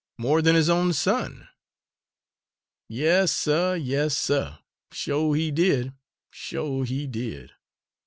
more than his own son!" "Yas, suh, yas, suh! sho' he did, sho' he did!